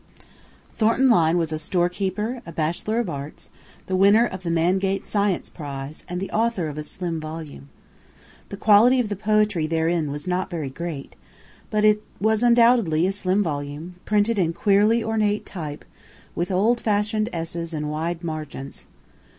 Thornton Lyne was a store keeper, a Bachelor of Arts, the winner of the Mangate Science Prize and the author of a slim volume. The quality of the poetry therein was not very great but it was undoubtedly a slim volume printed in queerly ornate type with old fashioned esses and wide margins.